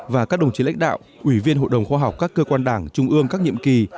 và các đồng chí lãnh đạo ủy viên hội đồng khoa học các cơ quan đảng trung ương các nhiệm kỳ